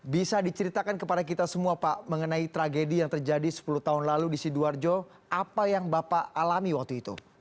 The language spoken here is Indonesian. bisa diceritakan kepada kita semua pak mengenai tragedi yang terjadi sepuluh tahun lalu di sidoarjo apa yang bapak alami waktu itu